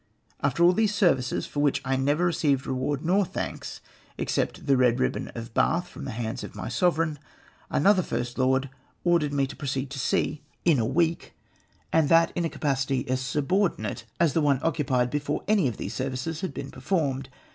After all these services, for Avhich I never received reward nor thanks — except the red ribbon of the Bath from the hands of my sovereign — another First Lord ordered me to proceed to sea VOL. II. M 162 RESULT OF HIS ILL TREATMENT OF ME. in a iveek, and that in a capacity as subordinate as tlie one occupied before any of these services had been performed